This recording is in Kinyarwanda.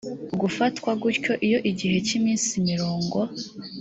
gufatwa gutyo iyo igihe cy iminsi mirongo